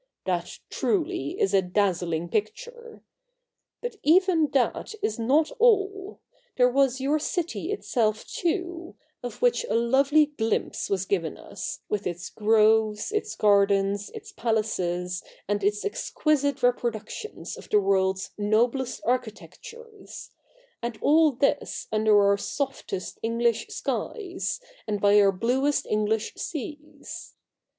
That truly is a dazzling picture. But even that is not all. There was your city itself too, of which a lovely glimpse was given us, with its groves, its gardens, its palaces, and its ex quisite reproductions of the world's noblest architectures; and all this under our softest English skies, and by our bluest English seas.